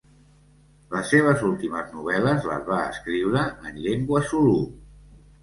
Les seves últimes novel·les les va escriure en llengua zulu.